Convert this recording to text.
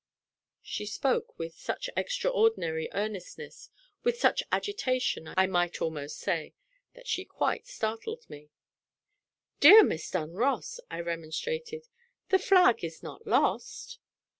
She spoke with such extraordinary earnestness with such agitation, I might almost say that she quite startled me. "Dear Miss Dunross," I remonstrated, "the flag is not lost."